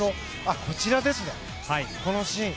こちらですね、このシーン。